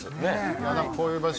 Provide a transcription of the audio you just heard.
こういう場所